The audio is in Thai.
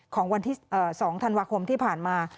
ของวันที่๒ธันวาคมที่ผ่านมา